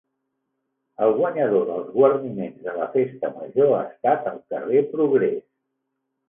El guanyador dels guarniments de la Festa Major ha estat el carrer Progrés.